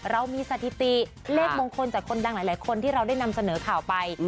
เรามีสถิติเลขมงคลจากคนดังหลายคนที่เราได้นำเสนอข่าวไป